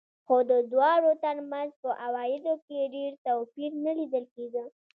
خو د دواړو ترمنځ په عوایدو کې ډېر توپیر نه لیدل کېده.